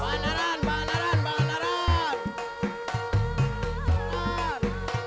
bandaran bandaran bandaran